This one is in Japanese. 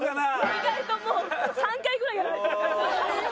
意外ともう３回ぐらいやられちゃってるから。